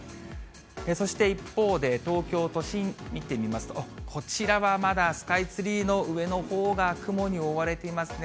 そして一方で東京都心、見てみますと、こちらはまだスカイツリーの上のほうが雲に覆われていますね。